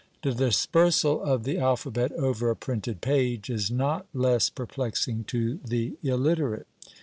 The dispersal of the alphabet over a printed page is not less perplexing to the illiterate.